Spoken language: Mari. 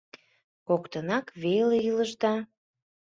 — Коктынак веле илыштыда?